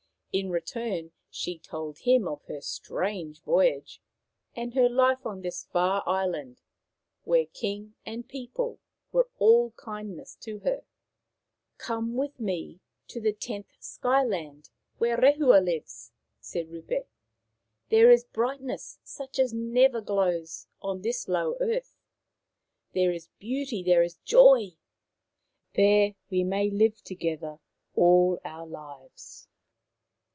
In return, she told him of her strange voyage and her life on this far island, where king and people were all kindness to her. " Come with me to the tenth Sky land, where Rehua lives," said Rupe. " There is brightness such as never glows on this low earth. There is Brother and Sister 63 beauty, there is joy. There we may live together all our lives.'